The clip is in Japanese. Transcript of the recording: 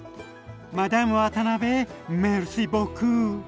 マダム渡辺メルシーボクー。